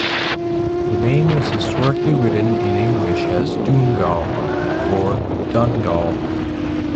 The name was historically written in English as 'Dunnagall' or 'Dunagall'.